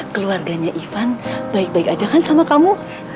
keluarganya ivan baik baik aja kan sama kamu